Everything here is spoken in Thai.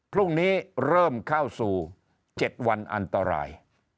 พรุ่งนี้เริ่มเข้าสู่๗วันอันตราย